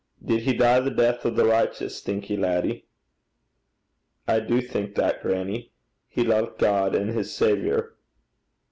Did he dee the deith o' the richteous, think ye, laddie?' 'I do think that, grannie. He loved God and his Saviour.'